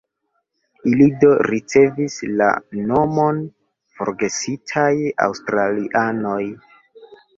Ili do ricevis la nomon "Forgesitaj Aŭstralianoj".